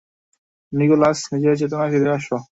Nicolas, নিজের চেতনায় ফিরে আসো!